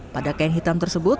pada kain hitam tersebut